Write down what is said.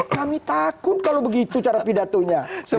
kami takut kalau begitu cara pidatonya